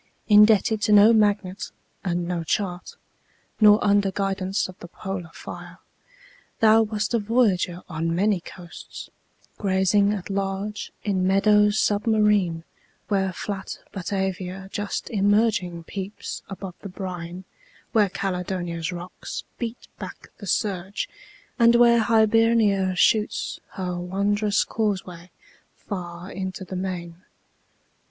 Indebted to no magnet and no chart, Nor under guidance of the polar fire, Thou wast a voyager on many coasts, Grazing at large in meadows submarine, Where flat Batavia just emerging peeps Above the brine, where Caledonia's rocks Beat back the surge, and where Hibernia shoots Her wondrous causeway far into the main.